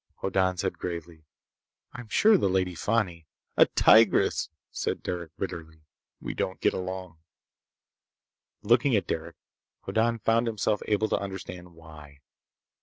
Hoddan said gravely: "I'm sure the Lady Fani—" "A tigress!" said Derec bitterly. "We don't get along." Looking at Derec, Hoddan found himself able to understand why.